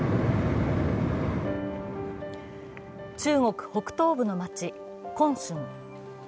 中国北東部の街、琿春。